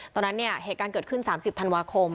ตอนนั้นเนี่ยเหตุการณ์เกิดขึ้น๓๐ธันวาคม